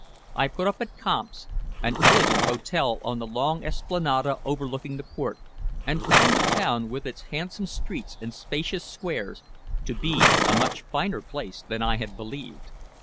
I put up at Kamp's, an elegant hotel on the long esplanade overlooking the port, and found the town, with its handsome streets and spacious squares, to be a much finer place than I had believed.